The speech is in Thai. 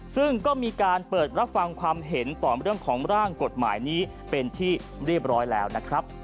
ซึ่งก็มีการเปิดรับฟังความเห็นต่อเรื่องของร่างกฎหมายนี้เป็นที่เรียบร้อยแล้วนะครับ